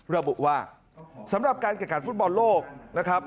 ระบุว่าสำหรับการแข่งขันฟุตบอลโลกนะครับ